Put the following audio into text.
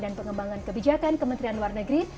dan pengembangan kebijakan kementerian luar negeri